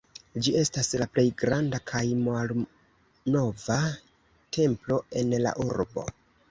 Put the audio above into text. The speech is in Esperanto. Ĝi estas la plej granda kaj malnova templo en la urbo.